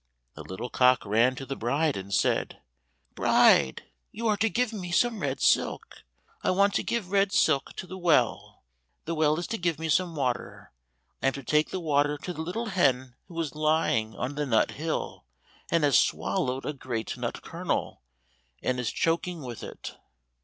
The little cock ran to the bride and said, "Bride, you are to give me some red silk; I want to give red silk to the well, the well is to give me some water, I am to take the water to the little hen who is lying on the nut hill and has swallowed a great nut kernel, and is choking with it."